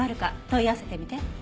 問い合わせてみて。